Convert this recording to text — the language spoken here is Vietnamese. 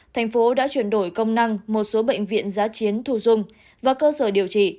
tp hcm đã chuyển đổi công năng một số bệnh viện giá chiến thu dung và cơ sở điều trị